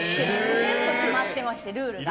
全部決まってまして、ルールが。